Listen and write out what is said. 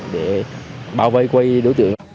để bảo vệ quay đối tượng